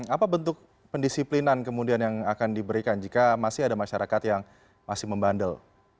apa bentuk pendisiplinan kemudian yang akan diberikan jika masih ada masyarakat yang masih membandel